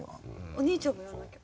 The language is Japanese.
お兄ちゃんもやらなきゃ。